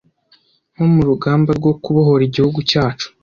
nko mu rugamba rwo kubohora igihugu cyacu,